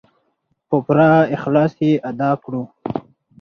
په پوره اخلاص یې ادا کړو.